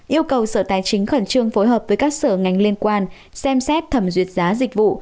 yêu cầu sở tài chính khẩn trương phối hợp với các sở ngành liên quan xem xét thẩm duyệt giá dịch vụ